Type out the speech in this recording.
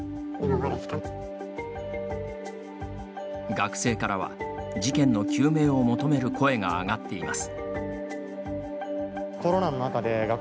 学生からは事件の究明を求める声が上がっています。